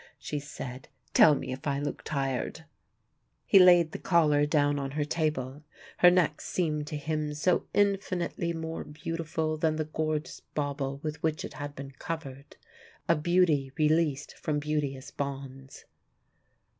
she said. "Tell me if I look tired!" He laid the collar down on her table: her neck seemed to him so infinitely more beautiful than the gorgeous bauble with which it had been covered, a Beauty released from beauteous bonds.